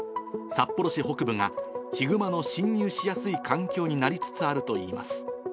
札幌市北部が、ヒグマの侵入しやすい環境になりつつあるといいます。